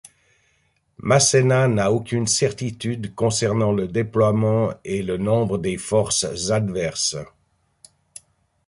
Masséna n'a aucune certitude concernant le déploiement et le nombre des forces adverses.